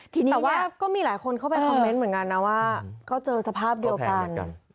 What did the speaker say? ทีนี้แต่ว่าก็มีหลายคนเข้าไปคอมเมนต์เหมือนกันนะว่าเขาเจอสภาพเดียวกัน